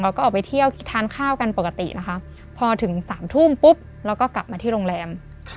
ออกไปเที่ยวทานข้าวกันปกตินะคะพอถึง๓ทุ่มปุ๊บเราก็กลับมาที่โรงแรม